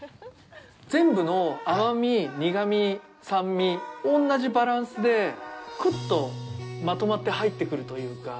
全部の甘み、苦味、酸味同じバランスでくっとまとまって入ってくるというか。